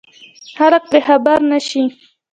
خلک پرې خبر نه شي.